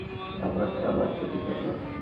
আপনার নাম আঞ্জলি কেন?